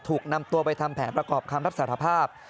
ถูกนำตัวไปทำแผนประกอบคำรับสารภาพ